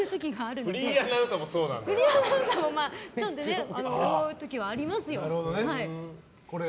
フリーアナウンサーも思う時はありますよね。